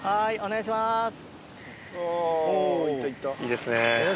いいですね。